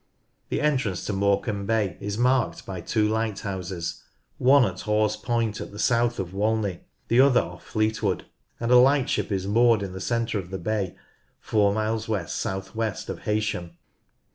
The entrance to Morecambe Bay is marked by two lighthouses, one at Hawes Point at the south of Walney, the other ofF Fleetwood, and a lightship is moored in the centre of the bay, four miles west south west of Heysham.